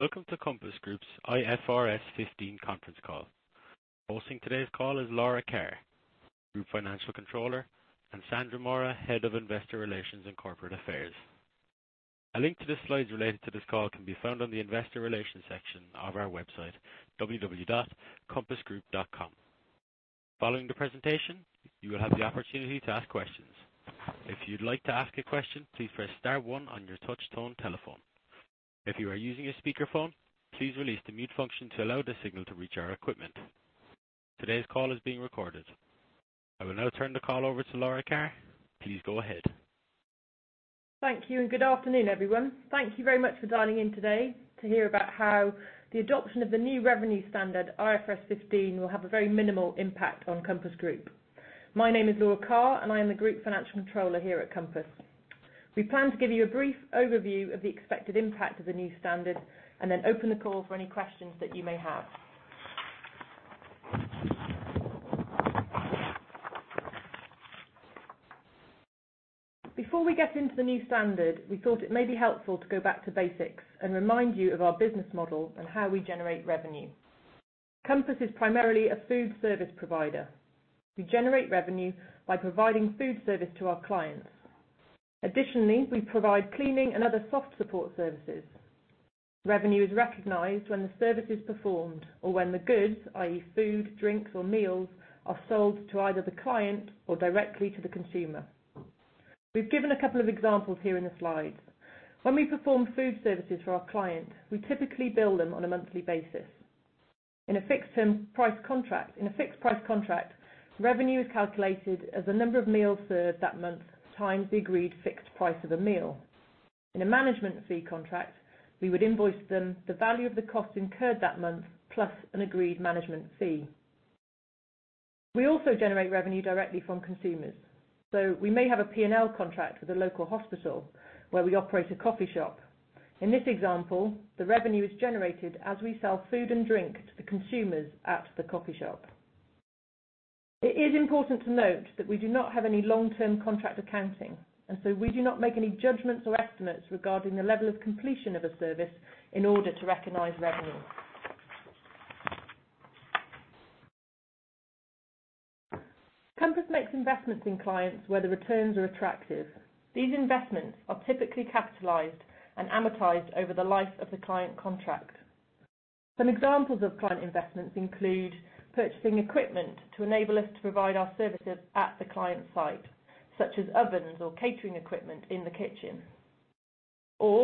Welcome to Compass Group's IFRS 15 conference call. Hosting today's call is Laura Carr, Group Financial Controller, and Sandra Mora, Head of Investor Relations and Corporate Affairs. A link to the slides related to this call can be found on the investor relations section of our website, www.compassgroup.com. Following the presentation, you will have the opportunity to ask questions. If you'd like to ask a question, please press star one on your touch-tone telephone. If you are using a speakerphone, please release the mute function to allow the signal to reach our equipment. Today's call is being recorded. I will now turn the call over to Laura Carr. Please go ahead. Thank you. Good afternoon, everyone. Thank you very much for dialing in today to hear about how the adoption of the new revenue standard, IFRS 15, will have a very minimal impact on Compass Group. My name is Laura Carr, and I am the Group Financial Controller here at Compass. We plan to give you a brief overview of the expected impact of the new standard, and then open the call for any questions that you may have. Before we get into the new standard, we thought it may be helpful to go back to basics and remind you of our business model and how we generate revenue. Compass is primarily a food service provider. We generate revenue by providing food service to our clients. Additionally, we provide cleaning and other soft support services. Revenue is recognized when the service is performed or when the goods, i.e., food, drinks, or meals, are sold to either the client or directly to the consumer. We've given a couple of examples here in the slide. When we perform food services for our client, we typically bill them on a monthly basis. In a fixed price contract, revenue is calculated as the number of meals served that month times the agreed fixed price of a meal. In a management fee contract, we would invoice them the value of the cost incurred that month, plus an agreed management fee. We also generate revenue directly from consumers. We may have a P&L contract with a local hospital where we operate a coffee shop. In this example, the revenue is generated as we sell food and drink to the consumers at the coffee shop. It is important to note that we do not have any long-term contract accounting. We do not make any judgments or estimates regarding the level of completion of a service in order to recognize revenue. Compass makes investments in clients where the returns are attractive. These investments are typically capitalized and amortized over the life of the client contract. Some examples of client investments include purchasing equipment to enable us to provide our services at the client site, such as ovens or catering equipment in the kitchen.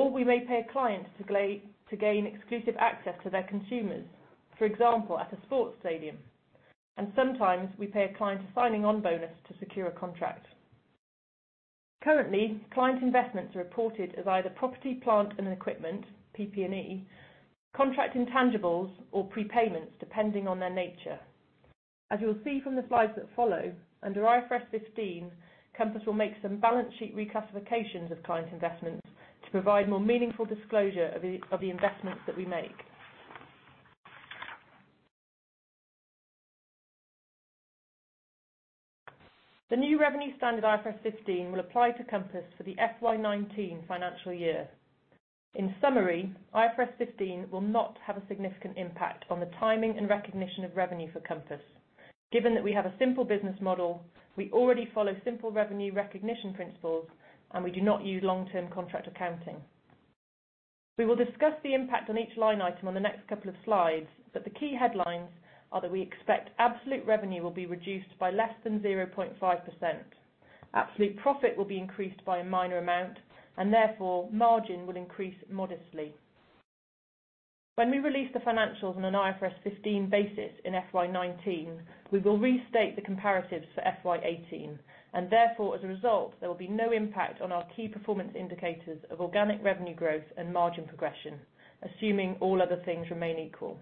We may pay a client to gain exclusive access to their consumers, for example, at a sports stadium. Sometimes we pay a client a signing-on bonus to secure a contract. Currently, client investments are reported as either property, plant, and equipment, PP&E, contract intangibles, or prepayments, depending on their nature. As you'll see from the slides that follow, under IFRS 15, Compass will make some balance sheet reclassifications of client investments to provide more meaningful disclosure of the investments that we make. The new revenue standard, IFRS 15, will apply to Compass for the FY 2019 financial year. In summary, IFRS 15 will not have a significant impact on the timing and recognition of revenue for Compass. Given that we have a simple business model, we already follow simple revenue recognition principles, and we do not use long-term contract accounting. We will discuss the impact on each line item on the next couple of slides, but the key headlines are that we expect absolute revenue will be reduced by less than 0.5%. Absolute profit will be increased by a minor amount, and therefore, margin will increase modestly. When we release the financials on an IFRS 15 basis in FY 2019, we will restate the comparatives for FY 2018, and therefore, as a result, there will be no impact on our key performance indicators of organic revenue growth and margin progression, assuming all other things remain equal.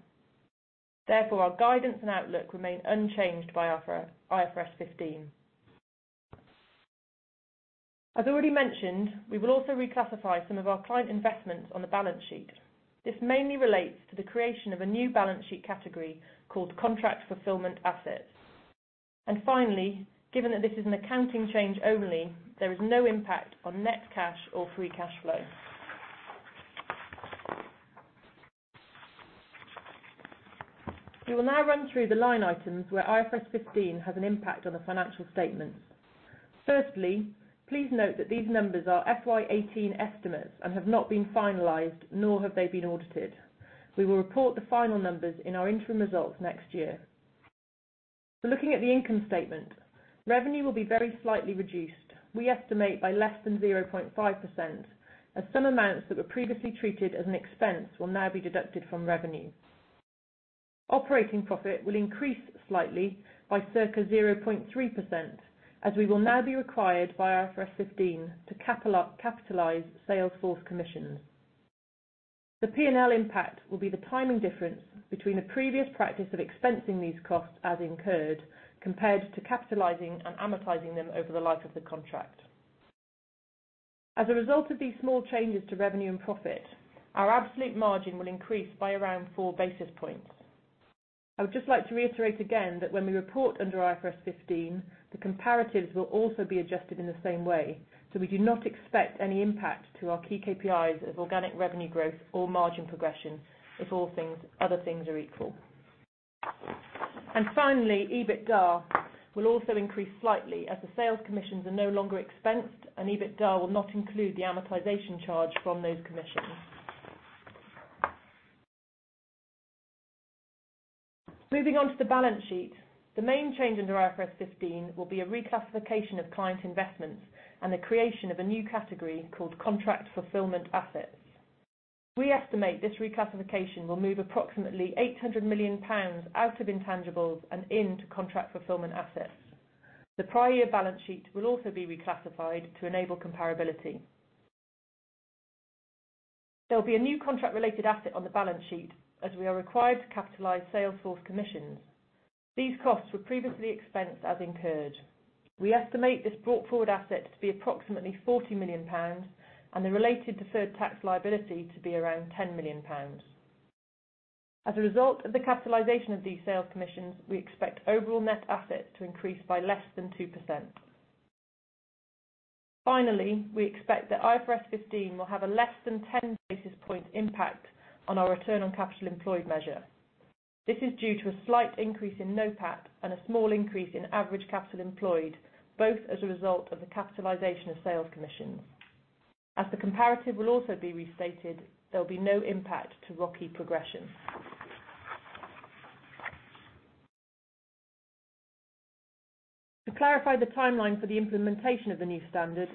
Our guidance and outlook remain unchanged by IFRS 15. As already mentioned, we will also reclassify some of our client investments on the balance sheet. This mainly relates to the creation of a new balance sheet category called contract fulfillment assets. Finally, given that this is an accounting change only, there is no impact on net cash or free cash flow. We will now run through the line items where IFRS 15 has an impact on the financial statements. Firstly, please note that these numbers are FY 2018 estimates and have not been finalized, nor have they been audited. We will report the final numbers in our interim results next year. Looking at the income statement, revenue will be very slightly reduced. We estimate by less than 0.5%, as some amounts that were previously treated as an expense will now be deducted from revenue. Operating profit will increase slightly by circa 0.3% as we will now be required by IFRS 15 to capitalize sales force commissions. The P&L impact will be the timing difference between the previous practice of expensing these costs as incurred, compared to capitalizing and amortizing them over the life of the contract. As a result of these small changes to revenue and profit, our absolute margin will increase by around four basis points. I would just like to reiterate again that when we report under IFRS 15, the comparatives will also be adjusted in the same way. We do not expect any impact to our key KPIs of organic revenue growth or margin progression if other things are equal. Finally, EBITDA will also increase slightly as the sales commissions are no longer expensed, and EBITDA will not include the amortization charge from those commissions. Moving on to the balance sheet. The main change under IFRS 15 will be a reclassification of client investments and the creation of a new category called contract fulfillment assets. We estimate this reclassification will move approximately 800 million pounds out of intangibles and into contract fulfillment assets. The prior year balance sheet will also be reclassified to enable comparability. There will be a new contract-related asset on the balance sheet, as we are required to capitalize sales force commissions. These costs were previously expensed as incurred. We estimate this brought forward asset to be approximately 40 million pounds, and the related deferred tax liability to be around 10 million pounds. As a result of the capitalization of these sales commissions, we expect overall net assets to increase by less than 2%. Finally, we expect that IFRS 15 will have a less than 10 basis point impact on our return on capital employed measure. This is due to a slight increase in NOPAT and a small increase in average capital employed, both as a result of the capitalization of sales commissions. As the comparative will also be restated, there will be no impact to ROCE progression. To clarify the timeline for the implementation of the new standard,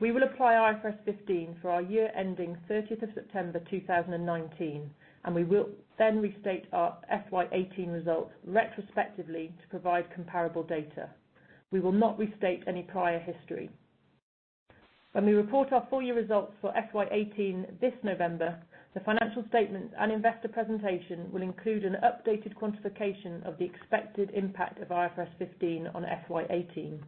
we will apply IFRS 15 for our year ending 30th of September 2019, we will then restate our FY 2018 results retrospectively to provide comparable data. We will not restate any prior history. When we report our full year results for FY 2018 this November, the financial statements and investor presentation will include an updated quantification of the expected impact of IFRS 15 on FY 2018.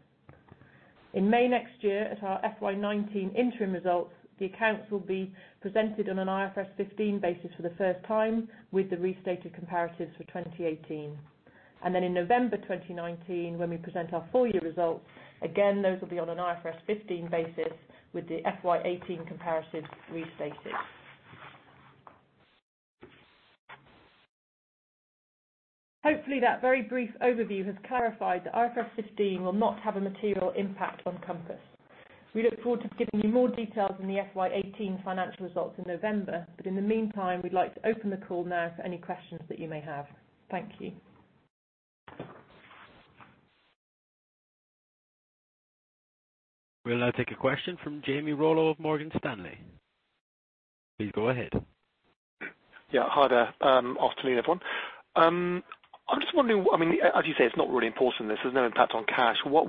In May next year at our FY 2019 interim results, the accounts will be presented on an IFRS 15 basis for the first time with the restated comparatives for 2018. In November 2019, when we present our full year results, again, those will be on an IFRS 15 basis with the FY 2018 comparatives restated. Hopefully that very brief overview has clarified that IFRS 15 will not have a material impact on Compass. We look forward to giving you more details in the FY 2018 financial results in November, but in the meantime, we'd like to open the call now for any questions that you may have. Thank you. We'll now take a question from Jamie Rollo of Morgan Stanley. Please go ahead. Yeah. Hi there. Afternoon, everyone. I'm just wondering, as you say, it's not really important, this. There's no impact on cash. Why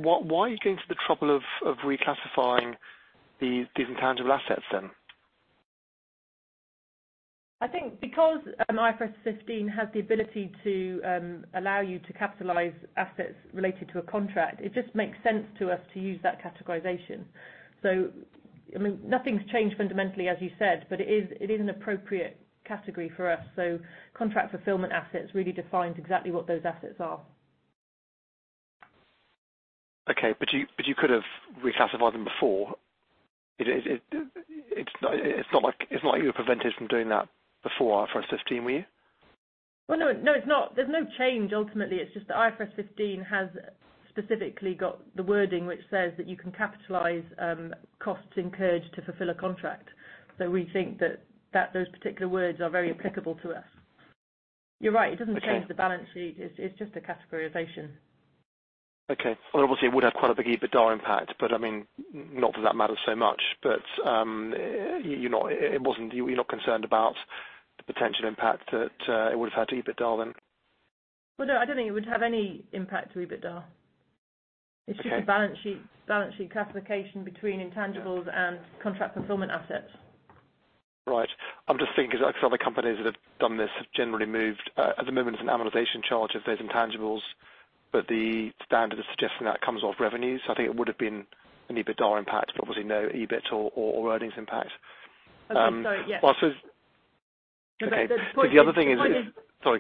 are you going to the trouble of reclassifying these intangible assets then? Because IFRS 15 has the ability to allow you to capitalize assets related to a contract, it just makes sense to us to use that categorization. Nothing's changed fundamentally, as you said, but it is an appropriate category for us. Contract fulfillment assets really defines exactly what those assets are. Okay. You could have reclassified them before. It's not like you were prevented from doing that before IFRS 15, were you? Well, no, it's not. There's no change ultimately. It's just that IFRS 15 has specifically got the wording which says that you can capitalize costs incurred to fulfill a contract. We think that those particular words are very applicable to us. You're right, it doesn't change the balance sheet. It's just a categorization. Okay. Well, obviously, it would have quite a big EBITDA impact, not that that matters so much. You're not concerned about the potential impact that it would have had to EBITDA then? Well, no, I don't think it would have any impact to EBITDA. Okay. It's just a balance sheet classification between intangibles and contract fulfillment assets. Right. I'm just thinking because other companies that have done this have generally moved. At the moment, there's an amortization charge of those intangibles, but the standard is suggesting that comes off revenues. I think it would have been an EBITDA impact, but obviously no EBIT or earnings impact. Okay. Yes. Okay. The other thing is. The point is. Sorry.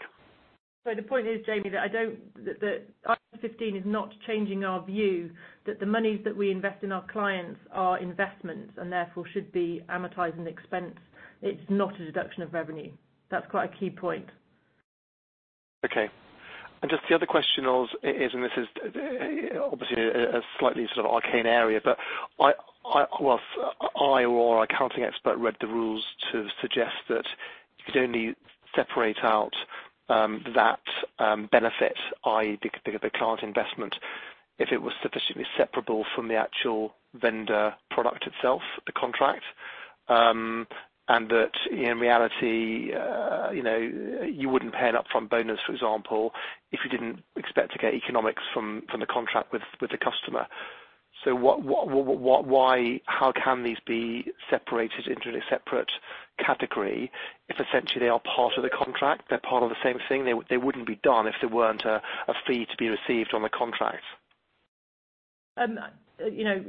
The point is, Jamie, that IFRS 15 is not changing our view that the monies that we invest in our clients are investments and therefore should be amortized and expensed. It's not a deduction of revenue. That's quite a key point. Okay. Just the other question is, this is obviously a slightly sort of arcane area, I or our accounting expert read the rules to suggest that you could only separate out that benefit, i.e., the client investment, if it was sufficiently separable from the actual vendor product itself, the contract. That in reality, you wouldn't pay an upfront bonus, for example, if you didn't expect to get economics from the contract with the customer. How can these be separated into a separate category if essentially they are part of the contract? They're part of the same thing. They wouldn't be done if there weren't a fee to be received on the contract. To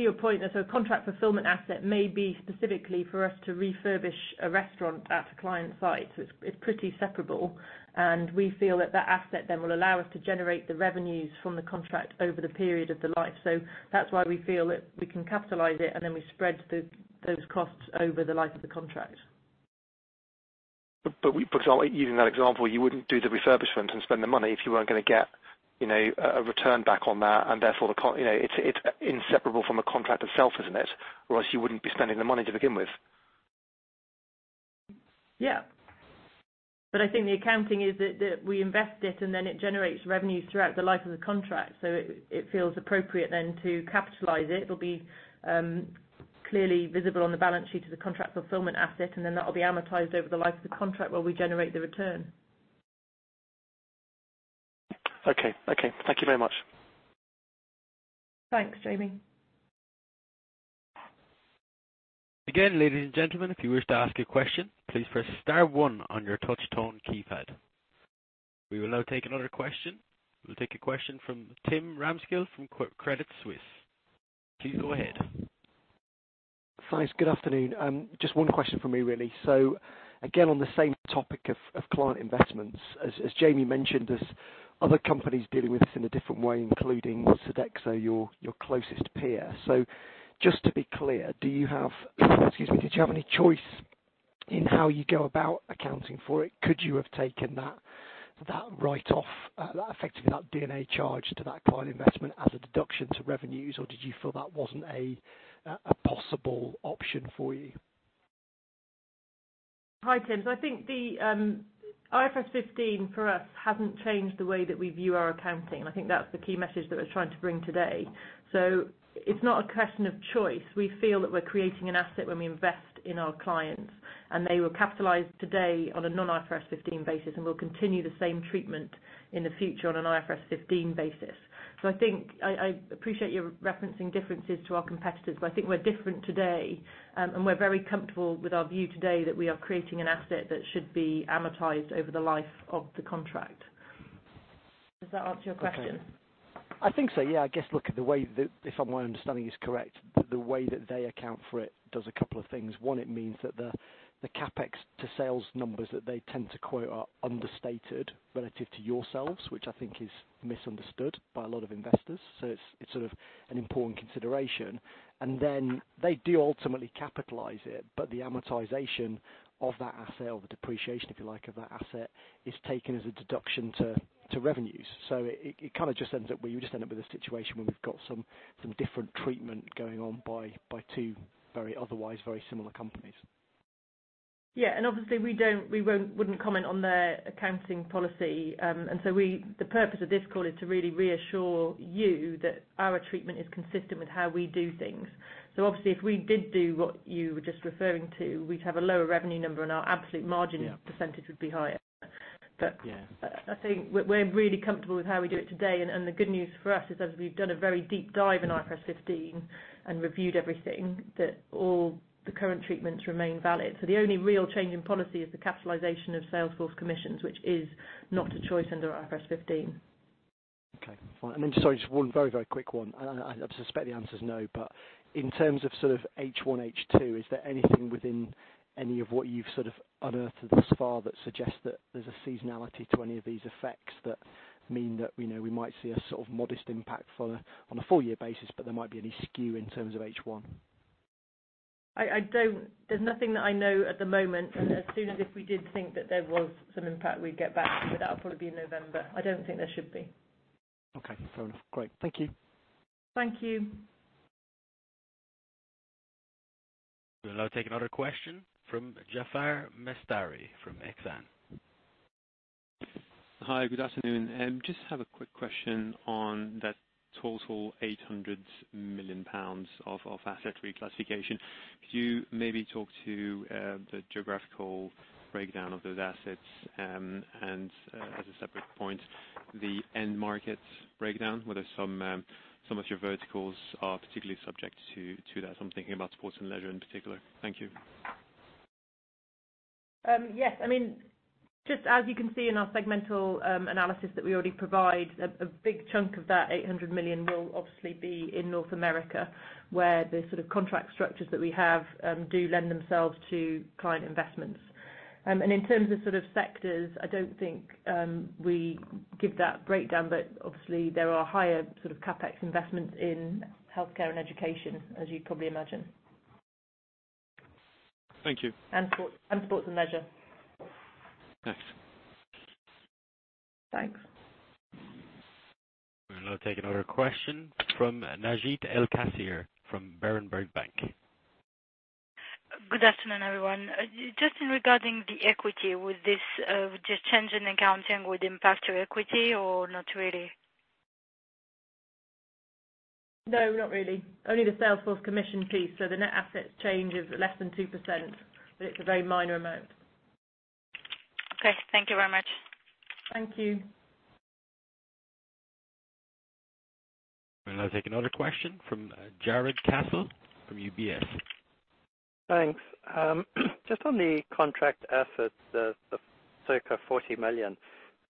your point, a contract fulfillment asset may be specifically for us to refurbish a restaurant at a client site. It's pretty separable, and we feel that that asset then will allow us to generate the revenues from the contract over the period of the life. That's why we feel that we can capitalize it, and then we spread those costs over the life of the contract. Using that example, you wouldn't do the refurbishment and spend the money if you weren't going to get a return back on that, and therefore, it's inseparable from the contract itself, isn't it? Else you wouldn't be spending the money to begin with. Yeah. I think the accounting is that we invest it, and then it generates revenues throughout the life of the contract. It feels appropriate then to capitalize it. It'll be clearly visible on the balance sheet as a contract fulfillment asset, and then that will be amortized over the life of the contract while we generate the return. Okay. Thank you very much. Thanks, Jamie. Again, ladies and gentlemen, if you wish to ask a question, please press star one on your touch tone keypad. We will now take another question. We will take a question from Tim Ramskill from Credit Suisse. Please go ahead. Thanks. Good afternoon. Just one question from me, really. Again, on the same topic of client investments, as Jamie mentioned, there's other companies dealing with this in a different way, including Sodexo, your closest peer. Just to be clear, did you have any choice in how you go about accounting for it? Could you have taken that write-off, effectively that D&A charge to that client investment as a deduction to revenues, or did you feel that wasn't a possible option for you? Hi, Tim. I think the IFRS 15 for us hasn't changed the way that we view our accounting, I think that's the key message that we're trying to bring today. It's not a question of choice. We feel that we're creating an asset when we invest in our clients, they were capitalized today on a non-IFRS 15 basis and will continue the same treatment in the future on an IFRS 15 basis. I appreciate your referencing differences to our competitors, but I think we're different today, we're very comfortable with our view today that we are creating an asset that should be amortized over the life of the contract. Does that answer your question? I think so, yeah. I guess if my understanding is correct, the way that they account for it does a couple of things. One, it means that the CapEx to sales numbers that they tend to quote are understated relative to yourselves, which I think is misunderstood by a lot of investors. It's an important consideration. They do ultimately capitalize it, but the amortization of that asset, or the depreciation, if you like, of that asset, is taken as a deduction to revenues. You just end up with a situation where we've got some different treatment going on by two otherwise very similar companies. Yeah. Obviously we wouldn't comment on their accounting policy. The purpose of this call is to really reassure you that our treatment is consistent with how we do things. Obviously, if we did do what you were just referring to, we'd have a lower revenue number and our absolute margin- Yeah percentage would be higher. Yeah. I think we're really comfortable with how we do it today. The good news for us is as we've done a very deep dive in IFRS 15 and reviewed everything, that all the current treatments remain valid. The only real change in policy is the capitalization of sales force commissions, which is not a choice under IFRS 15. Okay. Fine. Then, sorry, just one very quick one. I suspect the answer is no, but in terms of H1, H2, is there anything within any of what you've unearthed thus far that suggests that there's a seasonality to any of these effects that mean that we might see a modest impact on a full year basis, but there might be a skew in terms of H1? There's nothing that I know at the moment. As soon as if we did think that there was some impact, we'd get back to you. That'll probably be in November. I don't think there should be. Okay, fair enough. Great. Thank you. Thank you. We'll now take another question from Jaafar Mestari from Exane. Hi, good afternoon. Just have a quick question on that total 800 million pounds of asset reclassification. Could you maybe talk to the geographical breakdown of those assets and, as a separate point, the end market breakdown, whether some of your verticals are particularly subject to that? I'm thinking about sports and leisure in particular. Thank you. Yes. Just as you can see in our segmental analysis that we already provide, a big chunk of that 800 million will obviously be in North America, where the sort of contract structures that we have do lend themselves to client investments. In terms of sectors, I don't think we give that breakdown, but obviously there are higher sort of CapEx investments in healthcare and education, as you'd probably imagine. Thank you. Sports and leisure. Thanks. Thanks. We'll now take another question from Najet El Kassir from Berenberg Bank. Good afternoon, everyone. Just regarding the equity, would this change in accounting impact your equity or not really? No, not really. Only the sales force commission piece. The net assets change is less than 2%, but it's a very minor amount. Okay. Thank you very much. Thank you. We'll now take another question from Jarrod Castle from UBS. Thanks. Just on the contract assets, the circa 40 million,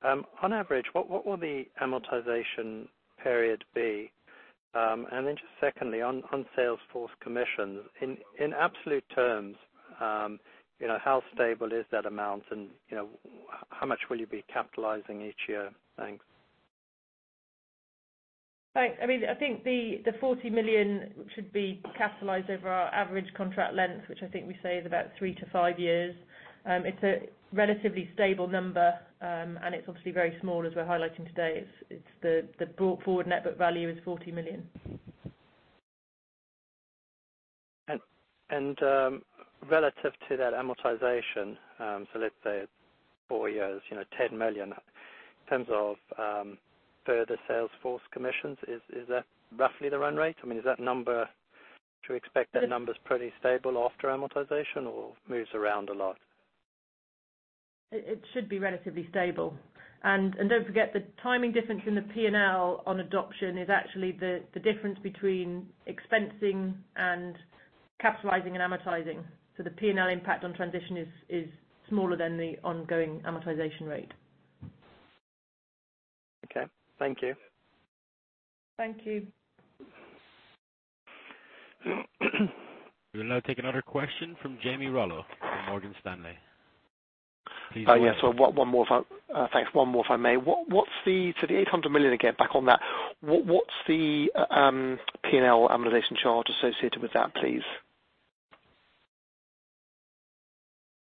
on average, what will the amortization period be? Just secondly, on sales force commissions, in absolute terms, how stable is that amount, and how much will you be capitalizing each year? Thanks. Thanks. I think the 40 million should be capitalized over our average contract length, which I think we say is about three to five years. It's a relatively stable number, and it's obviously very small as we're highlighting today. The brought-forward net book value is 40 million. Relative to that amortization, so let's say at four years, 10 million. In terms of further sales force commissions, is that roughly the run rate? Should we expect that number's pretty stable after amortization or moves around a lot? It should be relatively stable. Don't forget, the timing difference in the P&L on adoption is actually the difference between expensing and capitalizing and amortizing. The P&L impact on transition is smaller than the ongoing amortization rate. Okay. Thank you. Thank you. We'll now take another question from Jamie Rollo from Morgan Stanley. Please go ahead. Yes. Thanks. One more if I may. The 800 million, again, back on that, what's the P&L amortization charge associated with that, please?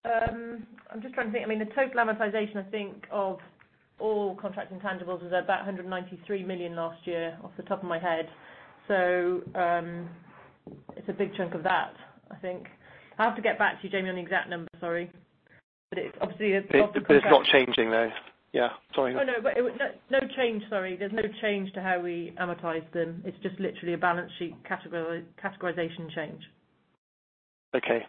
I'm just trying to think. The total amortization, I think, of all contract intangibles was about 193 million last year, off the top of my head. It's a big chunk of that, I think. I'll have to get back to you, Jamie, on the exact number. Sorry. It's not changing, though? Yeah. Sorry. Oh, no. No change, sorry. There's no change to how we amortize them. It's just literally a balance sheet categorization change. Okay.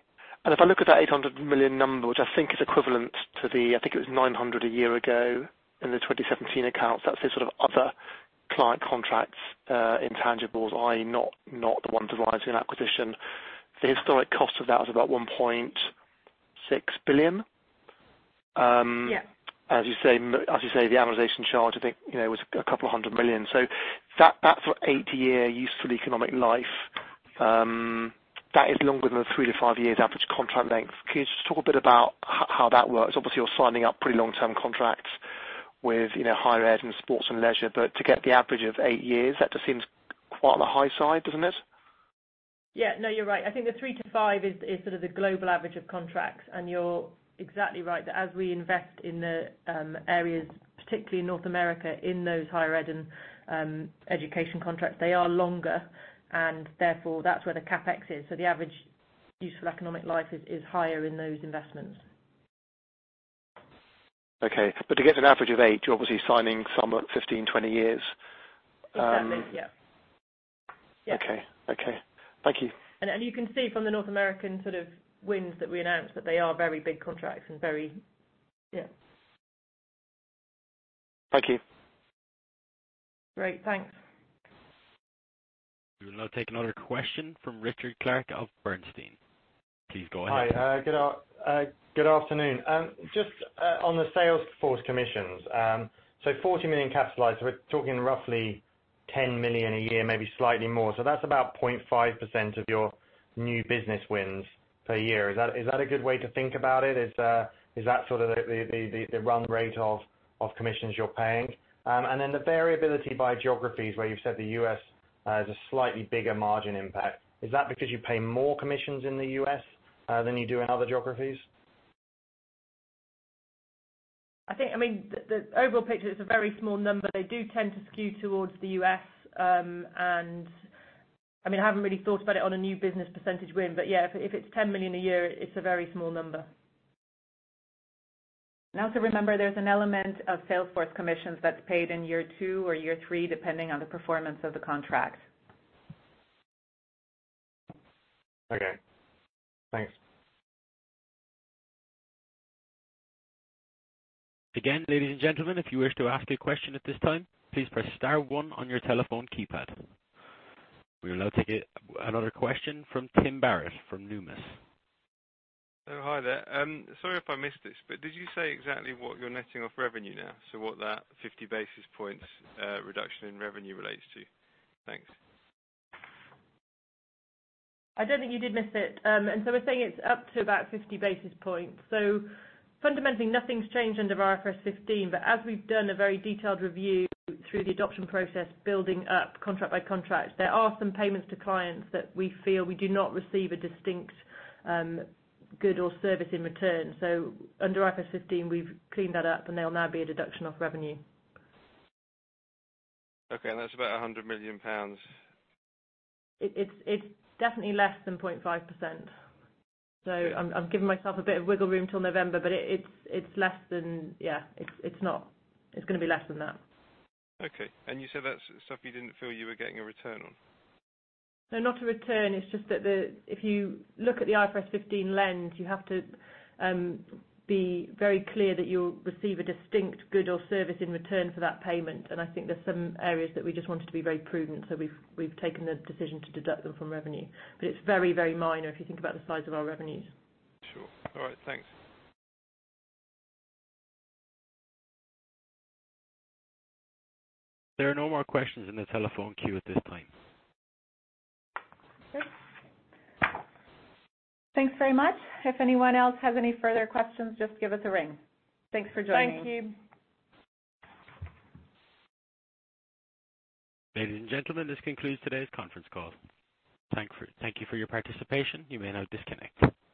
If I look at that 800 million number, which I think is equivalent to the, I think it was 900 a year ago in the 2017 accounts, that's the sort of other client contracts intangibles, i.e., not the ones arising acquisition. The historic cost of that was about 1.6 billion. Yeah. As you say, the amortization charge, I think, was GBP a couple of hundred million. That's for eight-year useful economic life. That is longer than the 3-5 years average contract length. Can you just talk a bit about how that works? Obviously, you're signing up pretty long-term contracts with higher ed and sports and leisure, but to get the average of eight years, that just seems quite on the high side, doesn't it? Yeah. No, you're right. I think the three to five is sort of the global average of contracts. You're exactly right that as we invest in the areas, particularly in North America, in those higher ed and education contracts, they are longer, and therefore that's where the CapEx is. The average useful economic life is higher in those investments. Okay. To get to an average of eight, you're obviously signing some at 15, 20 years. Exactly, yeah. Okay. Thank you. You can see from the North American wins that we announced, that they are very big contracts and very Yeah. Thank you. Great. Thanks. We will now take another question from Richard Clarke of Bernstein. Please go ahead. Hi. Good afternoon. Just on the sales force commissions. 40 million capitalized, we're talking roughly 10 million a year, maybe slightly more. That's about 0.5% of your new business wins per year. Is that a good way to think about it? Is that sort of the run rate of commissions you're paying? The variability by geographies where you've said the U.S. has a slightly bigger margin impact, is that because you pay more commissions in the U.S. than you do in other geographies? I think the overall picture is a very small number. They do tend to skew towards the U.S. I haven't really thought about it on a new business percentage win. Yeah, if it's 10 million a year, it's a very small number. Remember, there's an element of sales force commissions that's paid in year two or year three, depending on the performance of the contracts. Okay. Thanks. Again, ladies and gentlemen, if you wish to ask a question at this time, please press *1 on your telephone keypad. We will now take another question from Tim Barrett from Numis. Oh, hi there. Sorry if I missed this, did you say exactly what you're netting off revenue now? What that 50 basis points reduction in revenue relates to? Thanks. I don't think you did miss it. We're saying it's up to about 50 basis points. Fundamentally, nothing's changed under IFRS 15. As we've done a very detailed review through the adoption process, building up contract by contract, there are some payments to clients that we feel we do not receive a distinct good or service in return. Under IFRS 15, we've cleaned that up, and they'll now be a deduction off revenue. Okay. That's about 100 million pounds. It's definitely less than 0.5%. I'm giving myself a bit of wiggle room till November, it's going to be less than that. Okay. You said that's stuff you didn't feel you were getting a return on? No, not a return. It's just that if you look at the IFRS 15 lens, you have to be very clear that you'll receive a distinct good or service in return for that payment. I think there's some areas that we just wanted to be very prudent. We've taken the decision to deduct them from revenue. It's very minor if you think about the size of our revenues. Sure. All right. Thanks. There are no more questions in the telephone queue at this time. Okay. Thanks very much. If anyone else has any further questions, just give us a ring. Thanks for joining. Thank you. Ladies and gentlemen, this concludes today's conference call. Thank you for your participation. You may now disconnect.